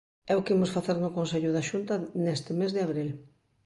É o que imos facer no Consello da Xunta neste mes de abril.